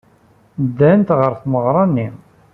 Ddant ɣer tmeɣra-nni.